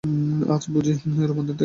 আর আজ বুঝি রোমানদের থেকে পালিয়ে যাব?